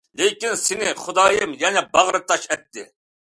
لېكىن سېنى خۇدايىم يەنە باغرى تاش ئەتتى.